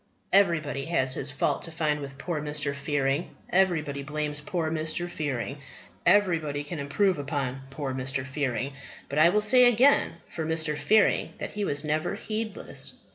Everybody has his fault to find with poor Mr. Fearing. Everybody blames poor Mr. Fearing. Everybody can improve upon poor Mr. Fearing. But I will say again for Mr. Fearing that he was never heedless.